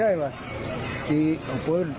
ดูมาใหญ่เฉยแล้ว